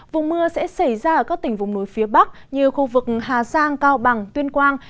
vùng mưa sẽ xảy ra ở các tỉnh vùng núi phía bắc như khu vực hà giang cao bằng tuyên quang